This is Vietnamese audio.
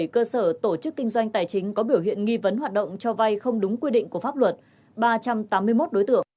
một mươi cơ sở tổ chức kinh doanh tài chính có biểu hiện nghi vấn hoạt động cho vay không đúng quy định của pháp luật ba trăm tám mươi một đối tượng